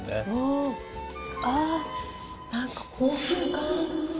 ああ、なんか高級感。